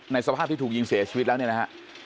สภาพที่ถูกยิงเสียชีวิตแล้วเนี่ยนะฮะ